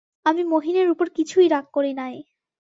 আমি মহিনের উপর কিছুই রাগ করি নাই।